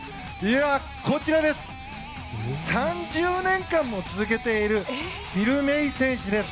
こちら、３０年間も続けているビル・メイ選手です。